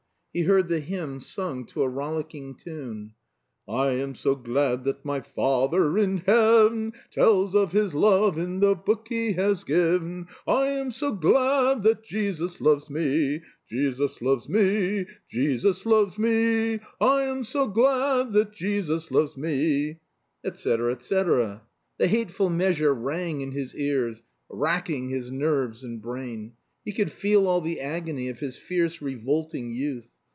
He heard the hymn sung to a rollicking tune: "I am so glad that my Father in heaven Tells of His love in the book He has given. "I am so glad that Jesus loves me, Jesus loves me, Jesus loves me, I am so glad that Jesus loves me," etc. The hateful measure rang in his ears, racking his nerves and brain. He could feel all the agony of his fierce revolting youth.